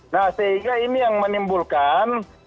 nah sehingga ini yang menimbulkan